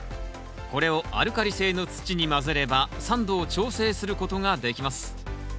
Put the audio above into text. これをアルカリ性の土に混ぜれば酸度を調整することができます。